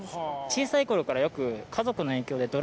小さい頃からよく。